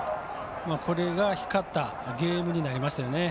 これが光ったゲームになりましたよね。